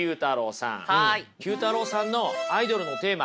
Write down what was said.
９太郎さんのアイドルのテーマ